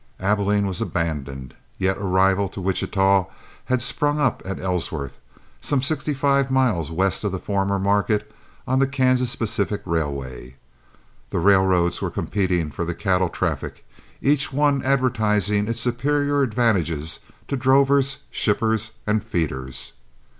Abilene was abandoned, yet a rival to Wichita had sprung up at Ellsworth, some sixty five miles west of the former market, on the Kansas Pacific Railway. The railroads were competing for the cattle traffic, each one advertising its superior advantages to drovers, shippers, and feeders.